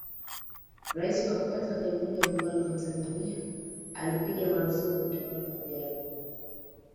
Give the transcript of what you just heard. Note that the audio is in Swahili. Rais wa kwanza wa Jamhuri ya Muungano wa Tanzania alipiga maarufuku utawala wa jadi